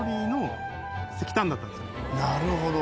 なるほど。